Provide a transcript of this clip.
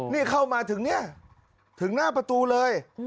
นี่เข้ามาถึงเนี่ยถึงหน้าประตูเลย